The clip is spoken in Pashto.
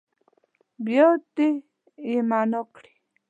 بیا دې يې معنا کړي.